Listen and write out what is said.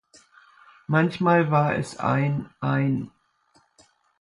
Manchmal war es ein, ein .